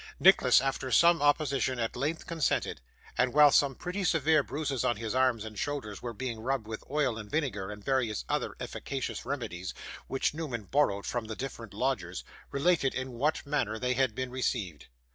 Nicholas, after some opposition, at length consented, and, while some pretty severe bruises on his arms and shoulders were being rubbed with oil and vinegar, and various other efficacious remedies which Newman borrowed from the different lodgers, related in what manner they had been received.